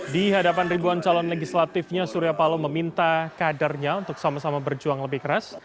di hadapan ribuan calon legislatifnya surya paloh meminta kadernya untuk sama sama berjuang lebih keras